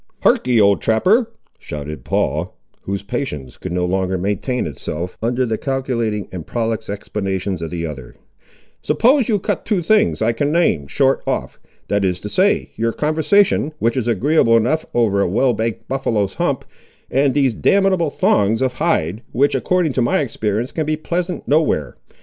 "Harkee, old trapper," shouted Paul, whose patience could no longer maintain itself under the calculating and prolix explanations of the other, "suppose you cut two things I can name, short off. That is to say, your conversation, which is agreeable enough over a well baked buffaloe's hump, and these damnable thongs of hide, which, according to my experience, can be pleasant nowhere.